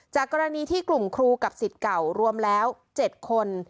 จากกรณีที่กลุ่มครูกับสิทธิ์เก่ารวมแล้ว๗คน